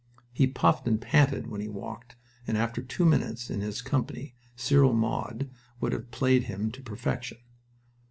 He puffed and panted when he walked, and after two minutes in his company Cyril Maude would have played him to perfection.